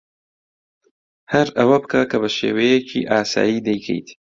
ھەر ئەوە بکە کە بە شێوەیەکی ئاسایی دەیکەیت.